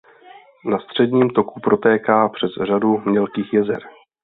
Na středním toku protéká přes řadu mělkých jezer.